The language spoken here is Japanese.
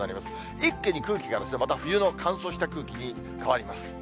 一気に空気がまた冬の乾燥した空気に変わります。